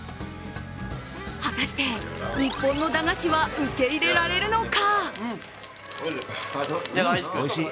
果たして、日本の駄菓子は受け入れられるのか。